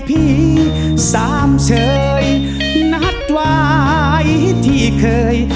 พี่สามเชยนัดไว้ที่เคย